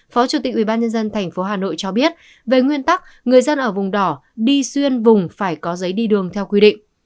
phó chủ tịch ubnd tp hà nội cho biết về nguyên tắc người dân ở vùng đỏ đi xuyên vùng phải có giấy đi đường theo quy định